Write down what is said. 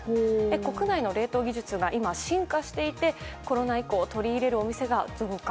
国内の冷凍技術が進化していてコロナ以降取り入れるお店が増加。